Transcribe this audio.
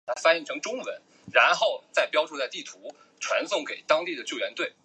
加勒比开发银行是加勒比海地区的一家区域性银行。